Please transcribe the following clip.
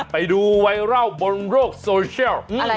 ไปดูไวร่าวบนโรคโซเชียล